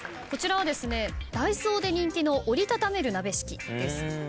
こちらはＤＡＩＳＯで人気の折りたためる鍋敷きです。